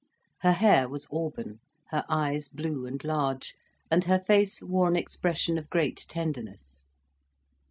Her hair was auburn, her eyes blue and large, and her face wore an expression of great tenderness.